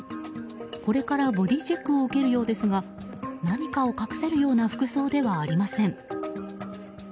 これからボディーチェックを受けるようですが何かを隠せるような服装ではありません。